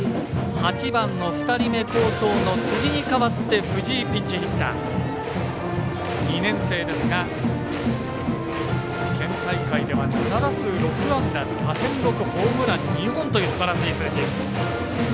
８番の２人目、好投の辻に代わって藤井、ピンチヒッター２年生ですが県大会では７打数６安打打点６、ホームラン２本というすばらしい数字。